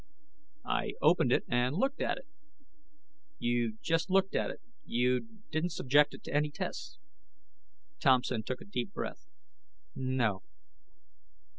"I opened it and looked at it." "You just looked at it? You didn't subject it to any tests?" Thompson took a deep breath. "No."